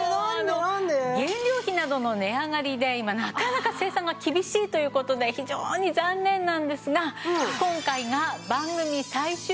原料費などの値上がりで今なかなか生産が厳しいという事で非常に残念なんですが今回が番組最終販売です。